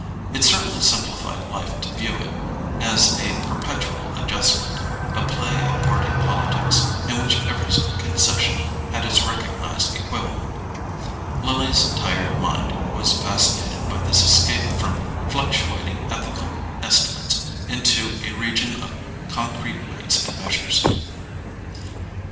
It certainly simplified life to view it as a perpetual adjustment, a play of party politics, in which every concession had its recognized equivalent: Lily's tired mind was fascinated by this escape from fluctuating ethical estimates into a region of concrete weights and measures.